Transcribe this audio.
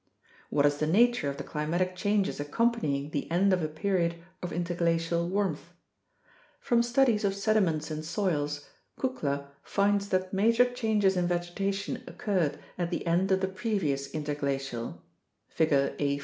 What is the nature of the climatic changes accompanying the end of a period of interglacial warmth? From studies of sediments and soils, Kukla finds that major changes in vegetation occurred at the end of the previous interglacial (Figure A.